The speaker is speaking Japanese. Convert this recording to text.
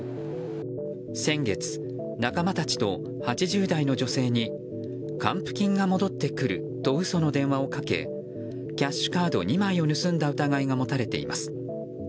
先月、仲間たちと８０代の女性に還付金が戻ってくると嘘の電話をかけキャッシュカード２枚を盗んだ疑いが持たれています。